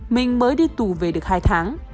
mình mới đi tù về được hai tháng